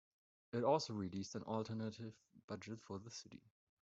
It also released an alternative budget for the city.